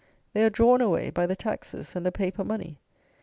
They are drawn away by the taxes and the paper money.